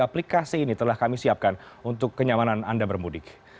aplikasi ini telah kami siapkan untuk kenyamanan anda bermudik